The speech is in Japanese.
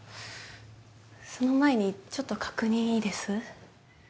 その前にちょっと確認いいです？